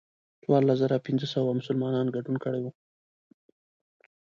څوارلس زره پنځه سوه مسلمانانو ګډون کړی و.